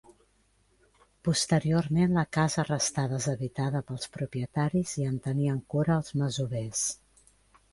Posteriorment la casa restà deshabitada pels propietaris i en tenien cura els masovers.